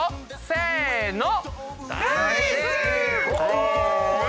せの！